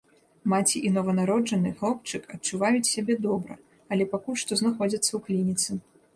Маці і нованароджаны хлопчык адчуваюць сябе добра, але пакуль што знаходзяцца ў клініцы.